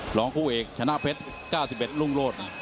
รองคู่เอกชนะเพชร๙๑รุ่งโรศ